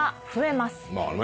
まあね。